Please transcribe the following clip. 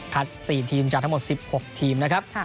๔ทีมจากทั้งหมด๑๖ทีมนะครับ